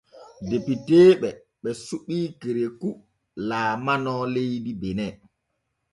Depiteeɓe ɓe suɓi Kerekou laalano leydi Bene.